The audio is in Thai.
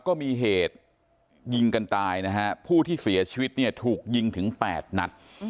ก็มีเหตุยิงกันตายนะฮะผู้ที่เสียชีวิตเนี่ยถูกยิงถึง๘นัด